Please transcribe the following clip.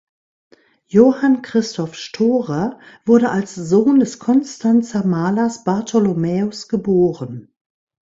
Johann Christoph Storer wurde als Sohn des Konstanzer Malers Bartholomäus geboren.